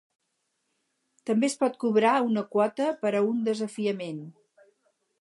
També es pot cobrar una quota per a un desafiament.